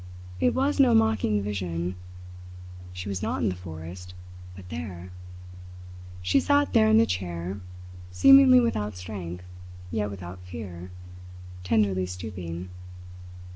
It was no mocking vision. She was not in the forest but there! She sat there in the chair, seemingly without strength, yet without fear, tenderly stooping.